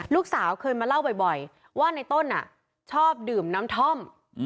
ลูกสาวเคยมาเล่าบ่อยว่าในต้นชอบดื่มน้ำท่อม